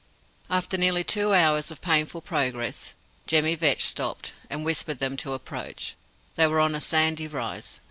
After nearly two hours of painful progress, Jemmy Vetch stopped, and whispered them to approach. They were on a sandy rise.